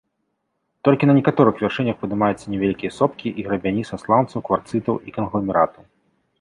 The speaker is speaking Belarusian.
Толькі на некаторых вяршынях падымаюцца невялікія сопкі і грабяні са сланцаў, кварцытаў і кангламератаў.